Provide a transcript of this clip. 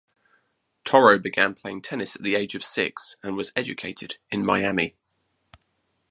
Toro began playing tennis at the age of six and was educated in Miami.